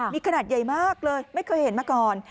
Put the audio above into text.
มีขนาดใหญ่มากเลยไม่เคยเห็นมาก่อน